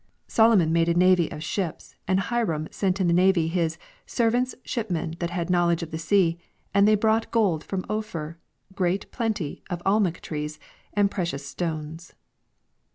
Solomon made a navy of shii3S and Hiram sent in the navy his " Servants, shipmen that had knowl edge of the sea, and they brought gold from Ophir, great plenty of almug trees, and precious stones."